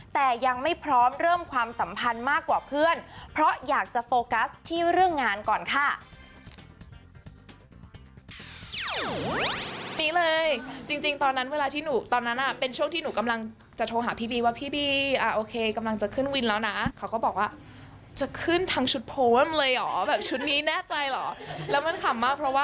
แต่ยังไม่พร้อมเริ่มความสัมพันธ์มากกว่าเพื่อนเพราะอยากจะโฟกัสที่เรื่องงานก่อนค่ะ